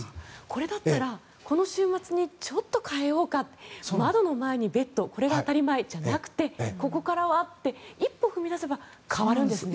これだったらこの週末にちょっと変えようかって窓の前にベッドこれが当たり前じゃなくてここからはって一歩踏み出せば変わるんですね。